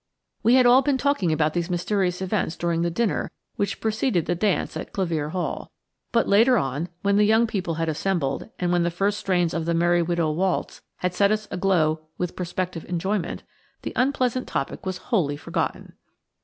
We had all been talking about these mysterious events during the dinner which preceded the dance at Clevere Hall; but later on, when the young people had assembled, and when the first strains of "The Merry Widow" waltz had set us aglow with prospective enjoyment, the unpleasant topic was wholly forgotten.